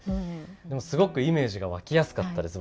でもすごくイメージが湧きやすかったです。